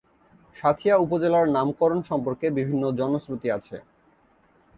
সাঁথিয়া উপজেলার নামকরণ সম্পর্কে বিভিন্ন জনশ্রুতি আছে।